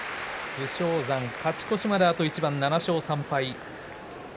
武将山、勝ち越しまであと一番７勝３敗です。